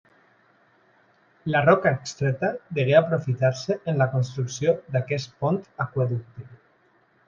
La roca extreta degué aprofitar-se en la construcció d'aquest pont aqüeducte.